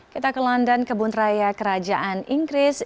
kita ke london kebun raya kerajaan inggris